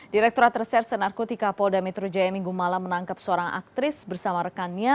direkturat reserse narkotika polda metro jaya minggu malam menangkap seorang aktris bersama rekannya